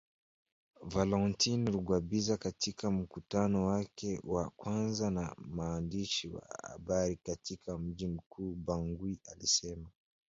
Valentine Rugwabiza katika mkutano wake wa kwanza na waandishi wa habari katika mji mkuu Bangui alisema